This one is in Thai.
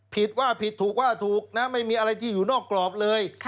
ผิดว่าผิดถูกว่าถูกนะไม่มีอะไรที่อยู่นอกกรอบเลย